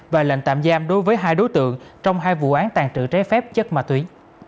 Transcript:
và lệnh tạm giam đối với hai đối tượng trong hai vụ án tàn trự trái phép chất ma túy